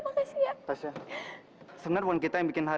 lalu mau kemana konsernya belum kelar